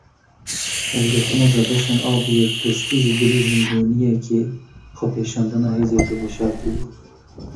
Hilgirtina zebeşan a bi yek destî, ji bilî hînbûniyekê, xwepêşandana hêzeke veşartî bû.